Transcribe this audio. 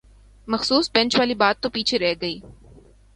مخصوص بینچ والی بات تو پیچھے رہ گئی